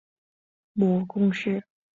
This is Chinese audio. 母仲氏。